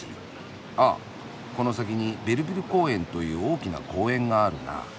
あっこの先にベルヴィル公園という大きな公園があるな。